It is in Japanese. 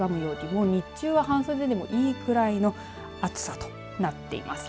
もう日中は半袖でもいいくらいの暑さとなっています。